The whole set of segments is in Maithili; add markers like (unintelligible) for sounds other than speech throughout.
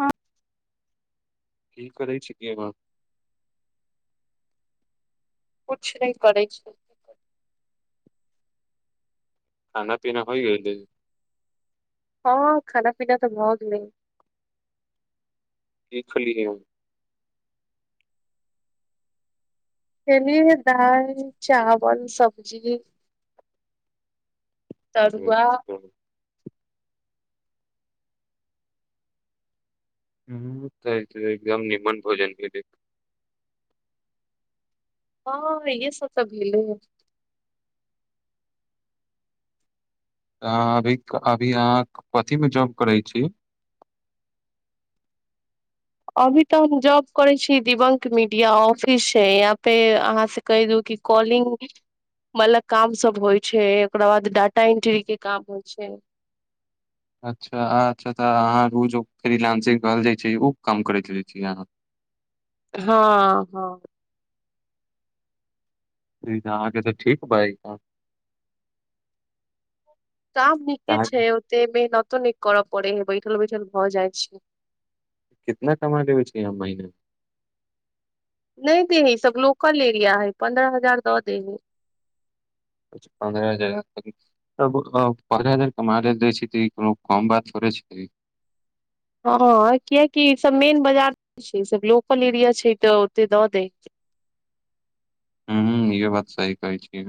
हँ की करै छियब किछु नय करै छै खाना पीना होई गेलइ हँ खाना पीना तऽ भऽ गेल कि खैली यौ खेलियए दाल चावल सब्जी तरुआ हं तै त एकदम निमन भोजन भेटैत हँ इहे सब तऽ भेलै हं अभी अभी अहाँ कथि में जॉब करै छी अभी तऽ हम जॉब करै छियै दिवंक मीडिया ऑफिस छय यहाँ पे अहाँ से कहि द की कॉलिंग मलक काम सब होइ छै ओकरा बाद डाटा एंट्री के काम होइ छय अच्छा अच्छा तऽ अहाँ उ जो फ्रिलांसिंग कहल जाइ छै ओ काम करैत छी आहाँ हँ हँ अहाँके तऽ ठीक बइ काम तऽ नीके अहाँ छय ओते मेहनतो नै कर पड़ै है बैठल बैठल भऽ जाइ छै कितना कमा लेबै छी अहाँ महीना नय देहे ई सब लोकल एरिया है पन्द्रह हजार दऽ देहे कुछ पन्द्रह हजारक करीब तब अ पन्द्रह हजार कमा लेल दै छै त ई कोनो कम बात थोड़े छय हँ हँ कियाकि ई सब मेन बाजार छै ई सब लोकल एरिया छय तऽ ओते दऽ देै हूँ ह इो बात सही कहै छि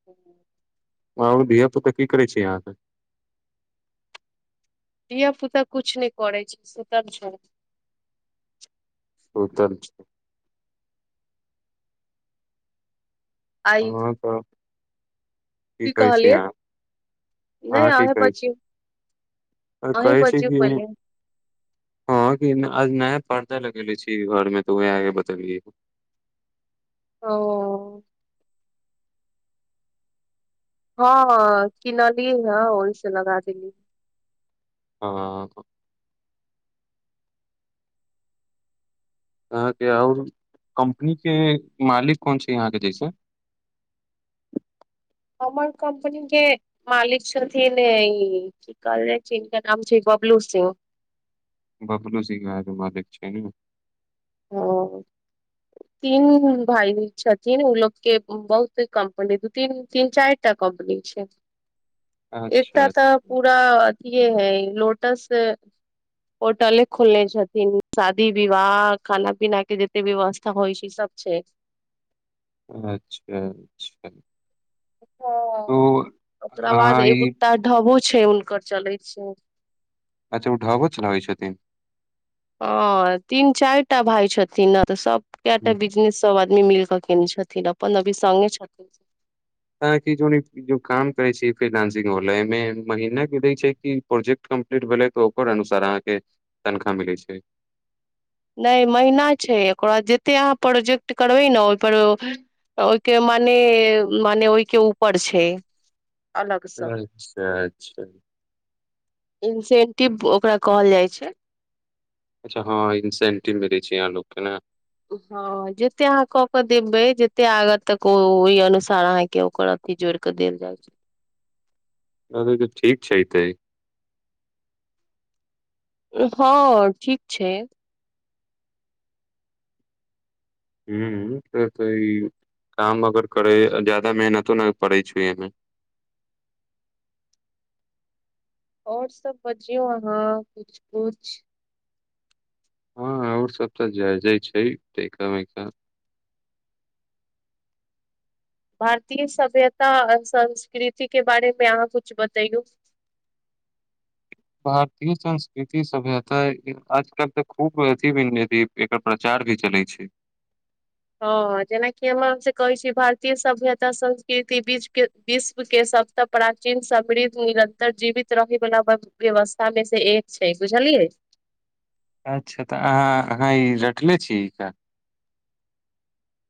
(inaudible) और धिय पुता की करय छी अहाँ के धिया पुता कुछ नय करै छै सुतल छै उत्तर कि आइ हँ तऽ की कहै छी अहाँ नहि अहाँ की अहीं कहै बजियौ छी आ अहीं कहै छै बजियौ की पहिले हँ कि आ नया पर्दा लगेले छी घर में तऽ वएह आ बतेलियै ओ हँ किनली हँ ओहि से लगा देली हं अहाँ के और कम्पनी के मालिक कोन छय अहाँ के जैसे हमर कम्पनी के मालिक छथिन ए ई हिनका नाम छय बबलू सिंह बबलू सिंह आहाँ के मालिक छै न हँ तीन भाय छथिन ओ लोग के बहुत कम्पनी दू तीन तीन चाइर टा कम्पनी छै अच्छा एकटा तऽ अच्छा पूरा अथिए है लोटस होटले खोलने छथिन शादी विवाह खाना पीना के जते व्यवस्था होइ छय सब छै अच्छा अच्छा ओ तो अच्छा ओकरा बाद अहाँ ई एगोटा ढबो छय हुनकर चलै छै अच्छा ओ ढाबो चलाबै छथिन हं तीन चाइर टा भाय छथिन ने तऽ सब कैटा हूँ। बिजनेस सब आदमी मिल कऽ केने छथिन अपन अभी संगे छथिन आहाँ कि जानैत कि जो काम करै छी फ्रीलांसिंग वाला एहिमे महीना के दै छै कि प्रोजेक्ट कम् लेट भेलै तऽ ओकर अनुसार अहाँके तनखा मिलै छय नय महीना छै ओकर बाद जते अहाँ प्रोजेक्ट करबै ने ओहिपर ओ ओहिके मने मने ओहिके ऊपर छय अच्छा अच्छा इंसेंटिप ओकरा कहल जाइ छय अच्छा हँ इन्सेन्टिव मिलै छय अहाँ लोकके ने हँ जते अहाँ कऽ के देबै जते आगा तक ओ ओहि अनुसार अहाँ के ओ करत ती जोर कऽ देल जाइ छै ठीक छैैतै (unintelligible) हँ, ठीक छै हूॅं, से तॅं ई काम अगर करै ज्यादा मेहनतो नहि पड़ै छै एहिमे और सब बजियौ अहाँ कुछ-कुछ और सब तऽ जय-जय छै, एकदम-एकदम भारतीय सभ्यता आ संस्कृतिके बारेमे अहाँ कुछ बतैयौ भारतीय संस्कृति सभ्यता आजकल तऽ खूब अथि बनि गेलैए एकर प्रचार भी चलै छै। हँ जेना कि हम (unintelligible) कहै छी भारतीय सभ्यता-संस्कृति बीचके विश्वके सबसँ प्राचीन समृद्ध निरन्तर जीवित रहै वला व्यवस्थामे सॅं एक छै बुझलियै? अच्छा तऽ अहाँ, अहाँ ई रटले छियै?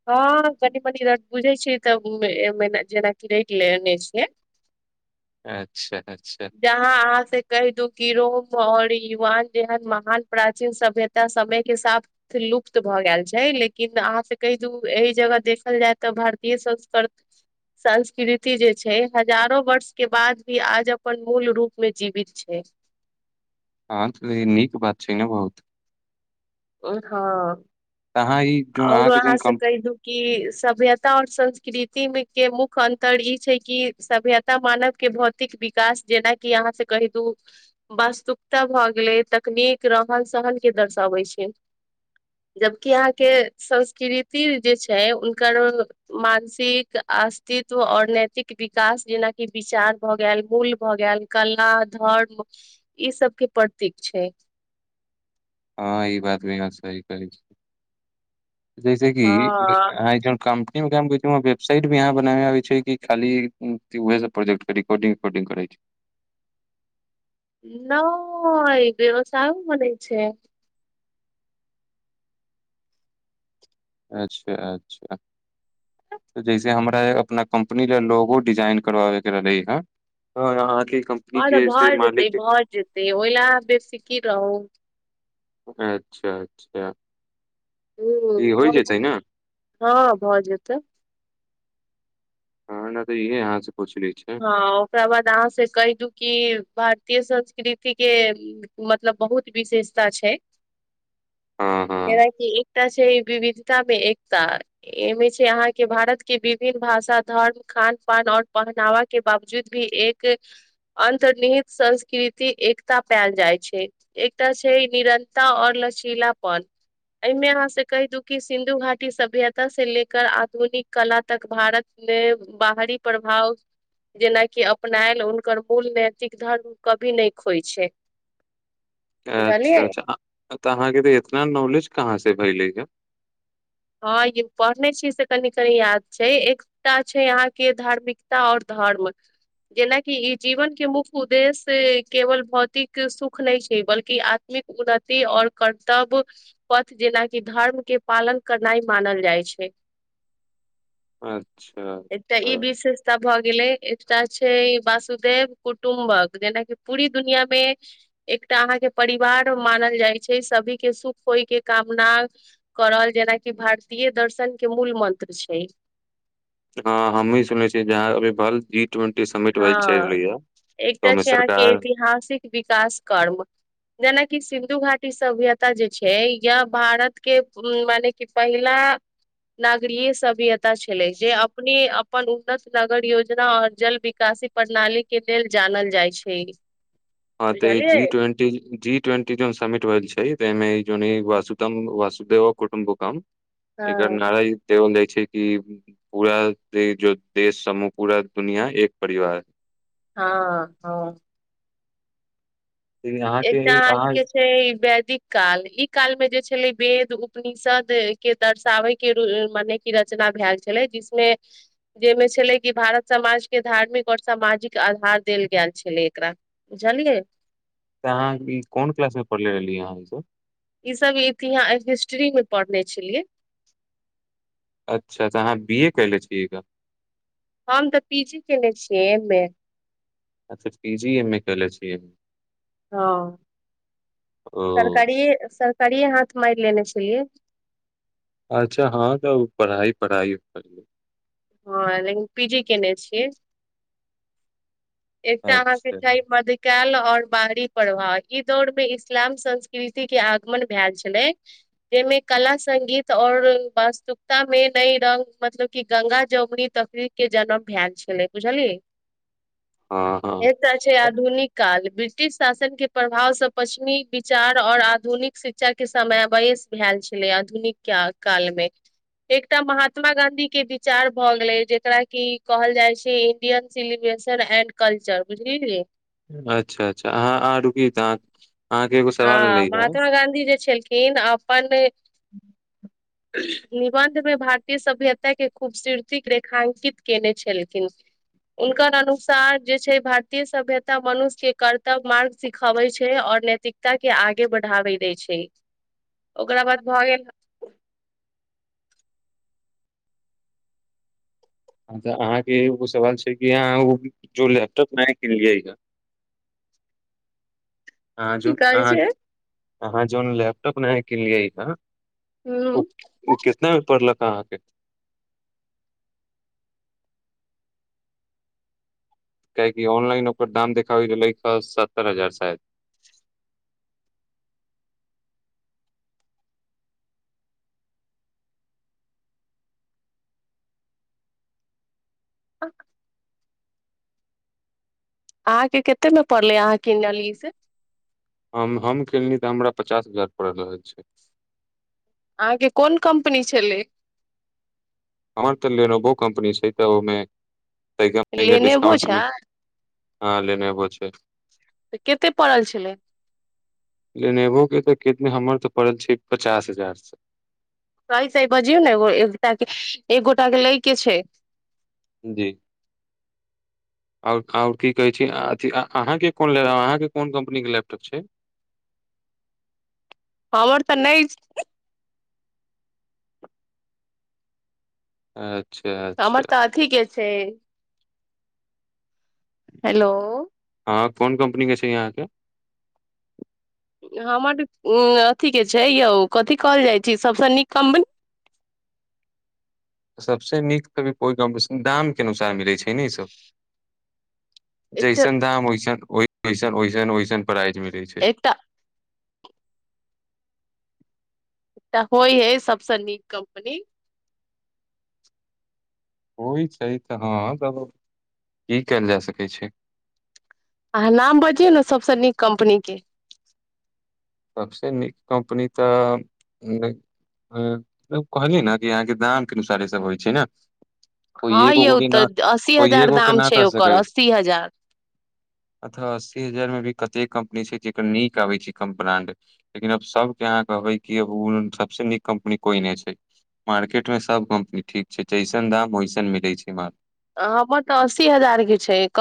हँ कनी-मनी रात बुझै छीयै तऽ उ एमेना जेना की रटि लेने छियै। (inaudible) अच्छा अच्छा जहाँ अहाँ से कहि दू कि रोम और युवान जेहन महान प्राचीन सभ्यता त समयके साथ लुप्त भऽ गेल छै लेकिन अहाँसे कहि दू एहि जगह देखल जाय तऽ भारतीय संस्कृत संस्कृति जे छै हजारो वर्षके बाद भी आज अपन मूल रूपमे जीवित छै हँ तऽ नीक बात छै ने बहुत! हँ, तऽ अहाँ ई जो औरो अहाँके जोन अहाँसे कम कहि दू कि सभ्यता और संस्कृतिमे के मुख्य अन्तर ई छै कि सभ्यता त मानवके भौतिक विकास जेनाकि अहाँसे कहि दू वास्तुकता भऽ गेलै, तकनीक रहन-सहनके दर्शाबै छै जबकि अहाँके संस्कृति जे छै उनकर मानसिक, अस्तित्व आओर नैतिक विकास जेनाकि विचार भऽ गेल, मूल भऽ गेल कला, धर्म ई सबके प्रतीक छै हँ ई बात भी अहाॅं सही कहै छी जैसे कि हँ अहाॅं (unintelligible) का एगो काम कहै छी ओ वेबसाट भी अहाँ बनाबे आबै छै कि खाली उहे सब प्रोजेक्टके रिकॉर्डिंग-उकोर्डिंग करै छै? न (inaudible) ग सारू मने छै अच्छा अच्छा तऽ जैसे हमरा अपना कम्पनी ले लोगो डिजाइन करबाबे के रहलै हन हँ, अहाँ (unintelligible) हँ तऽ भऽ जेतै, भऽ जेतै, ओहि लए अहाॅं बेफिकिर रहू अच्छा, अच्छा हॅं ई होइ भऽ जेतै, ने हँ भऽ जेतै। हँ ने तऽ इहे अहाँसे पुछले छी हँ ओकरा बाद अहाँ से कहि दू कि भारतीय संस्कृतिके मतलब बहुत विशेषता छै, हँ हँ जेनाकि एकटा छै विविधतामे एकता एहिमे छै अहाँके भारतके विभिन्न भाषा, धर्म, खान, पान और पहनावा के बावजूद भी एक अन्तर्निहित संस्कृति एकता पाएल जाइ छै। एकटा छै निरन्ता और लचीलापन। एहिमे अहाँ से कहि दू कि सिन्धु घाटी सभ्यता से लेक आधुनिक कला तक भारत नै बाहरी प्रभाव जेनाकि अपनायल हुनकर मूल नैतिक धर्म कभी नहि खोइ छै अच्छा बुझलियै अच्छा तऽ अहाँके इतना नॉलेज कहाँ से भ‌इले हँ ई पढ़ने छियै से कनि क याद छै एक ता छै अहाँके धार्मिकता आओर धर्म जेनाकि ई जीवन के मुख्य उद्देश्य केवल भौतिक सुख नहि छै बल्कि आधु उन्नति आऔर कर्तव्य पथ जेनाकि धर्म के पालन नाई मानल जाइ छै अच्छा एकटा ई विशेष एक भऽ गेलै एकटा छै वासुदेव कुटुम्बक जेनाकि पूरी दुनिया मे एकटा अहाँके परिवार मानल जाइ छै सभी के सुख होय के कामना करल जेनाकि भारतीय दर्शन के मूल मंत्र छै हँ हमी सुनने छियै जहाँ अभी बलजीत जोन टिसन हँ एकटा छै अहाँके सरकार ऐतिहासिक विकास कर्म जेनाकि सिन्धु घाटीभ्यता जे छै य भारत के मने कि पहिला नागरीय सभ्यता छलै जे अपने अपन उन्नत नगर योजना आऔर जल काशी प्रणाली के लेल जानल जाइ छै अ तऽ बुझलियै जी ट्वेंट जी ट्वेंटी जोन समिट भेल छै ताहिमे जोन वासुतम वासुदेव कुटुम्बकम एक हँ नाराइ केयो ल‌ई छै कि पूरा जो देश समू पूरा दुनिया एक परिवार हँ हँ तऽ अहाँके एकटा अहाँ आके फेर वैदिक काल ई काल में जे छलै वेद उपनिषद के दर्शाबै के मने की रचना भ गेल छलै जिसमे जहिमे छलै कि भारत समाज के धार्मिक आऔर सामाजिक आधार देल गेल छलै एकरा जलियै तऽ अहाँ ई कोन क्लास मे पढ़ले रहलियै अहाँ ई सभ ई सब इतिहा हिस्ट्री में पढ़ने छलियै अच्छा तऽ अहाँ बी ए क‌इले छियैग हम तऽ पी जी केने छियै एम ए अच्छा पी जी एम ए कले छियै हँ ओ सरकारि सरकारिए हाथ मारि लेने छलै अच्छा हँ तऽ पढ़ाई पढ़ाई प हँ लेकिन पी जै केने छियै एकटा अहाँके अच्छा छैह मद (unintelligible) कल और बाहरी प्रभाव ई दौड़ मे इस्लाम संस्कृति के आगमन भ‌एल छलै जहिमे कला संगगीत और वास्तुकता में नई रंग मतलब की गंगा जगुरी तफरीक के जन्म भाएल छलै बुझलि हँ हँ एकटा छै आधुनिक काल ब्रिटिश शासन के प्रभावसँ पश्चिमी विचार और आधुनिक शिक श्च के समय बयस भेल छलै आधुनिक काल मे एकटा महात्मा गाँंधी के विचार भए गेलै जेकरा की कहल जाइ छै इंडियन सिलिब्रेशन एंड कल्चर बुझलिहि अच्छा अच्छा अहाँ आहाँ रुकी तह हं महात्मा गाधी जे छलखिन्ह अपन निबन्धमे भारतीय सभ्यता के खूबसूरत रेखांकित कने छलखिन हुनकर अनुसार जे छै भारतीय सभ्यता मनुष्य के कर्तव्य मार्ग सिखबय छै आओर नैतिक ताके आगे बढ़ाबै देय छै ओकरा बाद भऽ गेल तऽ अहाँके एगो सवाल छै कि अहाँ एगो जो लैपटॉप नया किनलिएय ह अहां जो की कहै अहां छै अहाँ जोन लैपटॉप नया किनलिएय ह ह ओ ओ कितना मे पड़लक अहाँके कियाकी ऑनलाइन ओकर दाम देखाबय गेलैय क सत्तर हजार शायद (unintelligible) अहाँ के कैते मे पड़लै अहाँके किनलियै से हम हम किनलि तऽ हमरा पचास हजार पड़ रहल छै अहाँके कोन कम्पनी छलै हमर तऽ लेनोवो कम्पनी छै तऽ ओहिमे लेनेवो छै डिस्काउंट हँ लेनेबो छै तऽ कतेक पड़ल छलैय लेनेबो के तऽ कितमे हमर तऽ पड़ल छै पचास हजार सही सही बजियौ ने एकटा के एक गोटा के लै के छै जी आओर आओर की कहै छै अ अहाँके के अहाँके कोनलेब कोन कम्पनीक के लैपटॉप छै हमर तऽ नहि एं हमर तऽ अथी के छै हेलो हँ कोन कम्पनी के छै अहाँ कऽ हमर अथीके छै यौ कथी कहल जाइ छै सभसँ नीक कम्पनी सभस नीक तऽ अभी कोइ कम्पनी दाम के अनुसार मिलैत छै ने ईसभ एकटा जैसन धाम ओइसन ओइसन ओइसन ओइसन प्राइज मे मिलै छै एकटा तऽ होइ है सबसँ नीक कम्पनी होइ छै तऽ हँ तब कि काएल जा सकै छै अहाँ नाम बजियौ नऽ सभस नीक कम्पनी कऽ सबसे नीक कम्पनी तऽ ह कहलियै ने कि अहाँके दाम के अनुसार ई सब होइ छै नऽ कोइ हँ एगो यौ को तऽ न अस्सी कोइ हजार एगो के दाम न छै कह ओकर सकय अस्सी हजार अथह अस्सी हजार मऽ भी कते कम्पनी छै जेकर नीक आबे छै कंपनी ब्रांड लेकिन अब सभके अहाँ होय कि य सबस नीक कम्पनी कोई नै छै मार्केट में सब कम्पनी ठीक छै जैसन दाम वैसन मिलै छै माल हमर तऽ अस्सी हजार के छै